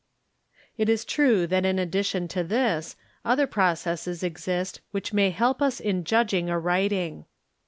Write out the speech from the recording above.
It is true that in addition 5 to this, other processes exist which may help us in judging a writing. 5, Fig.